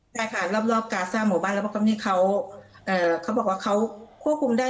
ใช่ค่ะรอบกาซ่าหมู่บ้านแล้วก็ตรงนี้เขา